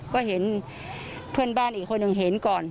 ก็เห็นเพื่อนบ้านอีกคนหนึ่งเห็นก่อน